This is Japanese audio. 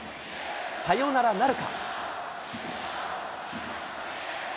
サヨナラなるか。